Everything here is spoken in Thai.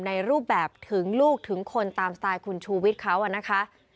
ในรูปแบบถึงลูกถึงคนตามสไตล์คุณชูวิทย์เขานะคะ